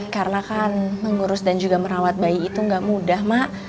karena kan mengurus dan juga merawat bayi itu gak mudah mak